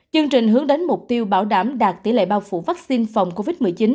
chương trình hướng đến mục tiêu bảo đảm đạt tỷ lệ bao phủ vaccine phòng covid một mươi chín